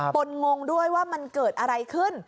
ลงงงด้วยว่ามันเกิดอะไรขึ้น